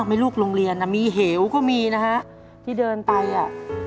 ไหมลูกโรงเรียนอ่ะมีเหวก็มีนะฮะที่เดินไปอ่ะ